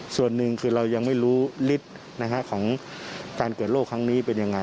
ส่วนหนึ่งคือเรายังไม่รู้ฤทธิ์ของการเกิดโรคครั้งนี้เป็นยังไง